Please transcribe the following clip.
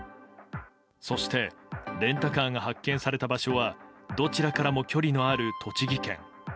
そしてレンタカーが発見された場所はどちらからも距離のある栃木県。